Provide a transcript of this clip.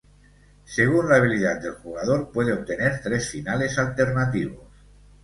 Según la habilidad del jugador puede obtener tres finales alternativos.